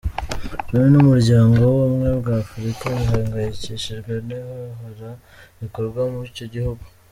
Loni n’Umuryango w’Ubumwe bwa Afurika bihangayikishijwe n’ihohoera rikorwa muri icyo gihgu.